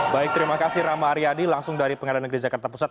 baik terima kasih rama aryadi langsung dari pengadilan negeri jakarta pusat